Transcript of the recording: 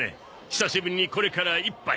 久しぶりにこれから一杯。